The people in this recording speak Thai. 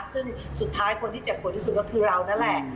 ซึ่งสุดท้ายคนที่เจ็บปวดที่สุดก็คือเรานั่นแหละ